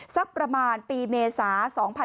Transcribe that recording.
สักประมาณปีเมษา๒๕๖๒